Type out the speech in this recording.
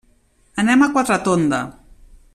Anem a Quatretonda.